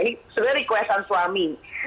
ini sebenarnya request an suami